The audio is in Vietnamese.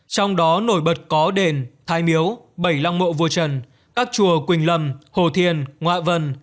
trong đó nổi bật có đền thai miếu bảy lăng mộ vua trần các chùa quỳnh lâm hồ thiền ngoạ vân